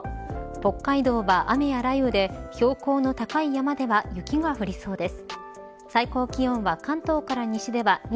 北海道は雨や雷雨で標高の高い山では雪が降りそうです。